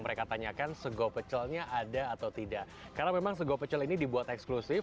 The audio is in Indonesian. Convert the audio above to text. mereka tanyakan sego pecelnya ada atau tidak karena memang sego pecel ini dibuat eksklusif